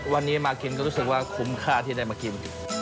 วันนี้มากินก็รู้สึกว่าคุ้มค่าที่ได้มากิน